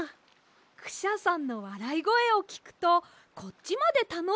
クシャさんのわらいごえをきくとこっちまでたのしくなります。